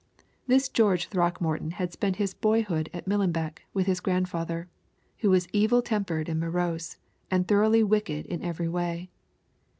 This George Throckmorton had spent his boyhood at Millenbeck with his grandfather, who was evil tempered and morose, and thoroughly wicked in every way.